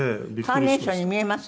カーネーションに見えますよね。